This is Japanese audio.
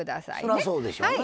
そらそうでしょうな。